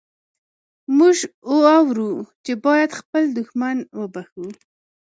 موږ اورو چې باید خپل دښمن وبخښو.